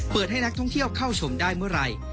ให้นักท่องเที่ยวเข้าชมได้เมื่อไหร่